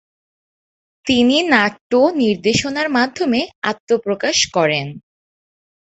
তিনি নাট্য নির্দেশনার মাধ্যমে আত্মপ্রকাশ করেন।